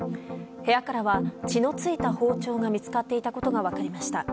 部屋からは、血の付いた包丁が見つかっていたことが分かりました。